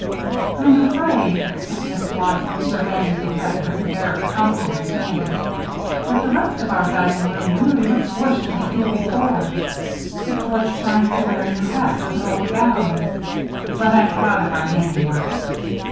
"I'm afraid," said Miss Blossom, surveying the effect with an air of comical dismay, "that the rest of our dining room really looks worse than it did before; it's like trying to wear a new hat with an old gown. But I'm proud of our handiwork."